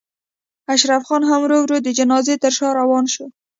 اشرف خان هم ورو ورو د جنازې تر شا روان شو.